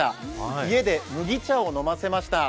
家で麦茶を飲ませました。